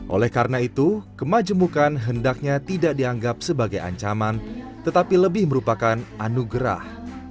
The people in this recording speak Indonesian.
oleh karena itu kemajemukan hendaknya tidak dianggap sebagai ancaman tetapi lebih merupakan anugerah